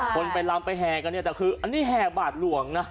คนไปลำไปให้ก็เนี่ยแต่คือนี่ไม่บาทหลวงละ